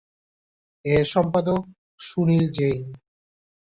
এর সম্পাদক সুনীল জেইন।